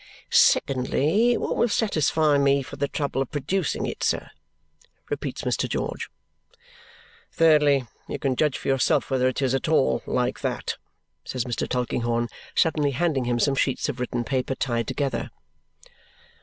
"Secondly, what will satisfy me for the trouble of producing it, sir," repeats Mr. George. "Thirdly, you can judge for yourself whether it is at all like that," says Mr. Tulkinghorn, suddenly handing him some sheets of written paper tied together.